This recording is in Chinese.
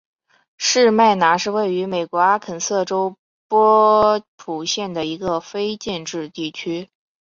士麦拿是位于美国阿肯色州波普县的一个非建制地区。